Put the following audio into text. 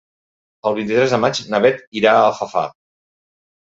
El vint-i-tres de maig na Bet irà a Alfafar.